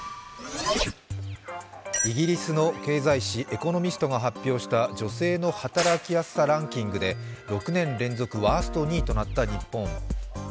イギリスの経済誌「エコノミスト」が発表した女性の働きやすさランキングで６年連続ワースト２位となった日本。